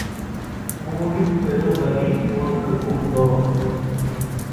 ஊழிற் பெருவலி ஒன்று உண்டோ?